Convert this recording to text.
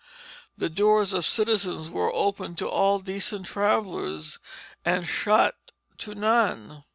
The doors of citizens were open to all decent travellers, and shut to none.